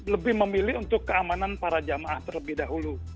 lebih memilih untuk keamanan para jamaah terlebih dahulu